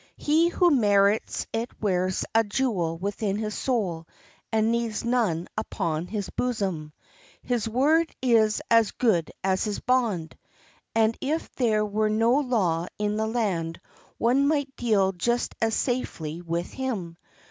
He who merits it wears a jewel within his soul and needs none upon his bosom. "His word is as good as his bond," and if there were no law in the land one might deal just as safely with him.